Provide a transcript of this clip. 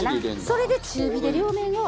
それで中火で両面を。